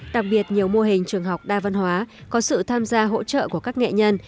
đặc biệt nhiều mô hình trường học đa văn hóa có sự tham gia hỗ trợ của các nghệ nhân